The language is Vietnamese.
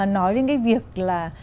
nói đến cái việc là